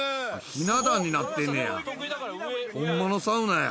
ひな壇になってんのや。